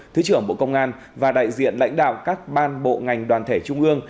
thứ trưởng bộ công an và đại diện lãnh đạo các ban bộ ngành đoàn thể trung ương